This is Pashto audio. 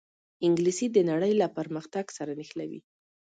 انګلیسي د نړۍ له پرمختګ سره نښلوي